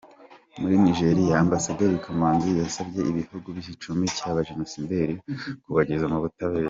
Muri Nigeria, Ambasaderi Kamanzi yasabye ibihugu bicumbikiye abajenosideri kubageza mu butabera.